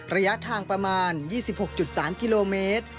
ระยะทางประมาณ๒๖๓กิโลเมตร